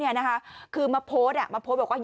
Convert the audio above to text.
กินให้ดูเลยค่ะว่ามันปลอดภัย